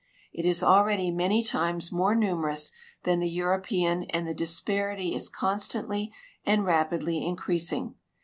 It is already many times more numerous than the European and the disparity is constantly and rapidly increasing.